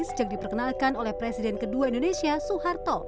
sejak diperkenalkan oleh presiden kedua indonesia soeharto